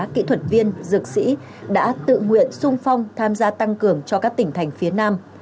kỹ thuật viên dược sĩ đã tự nguyện sung phong tham gia tăng cường cho các tỉnh thành phía nam